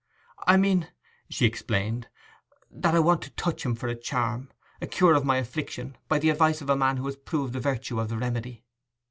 'I mean,' she explained, 'that I want to touch him for a charm, a cure of an affliction, by the advice of a man who has proved the virtue of the remedy.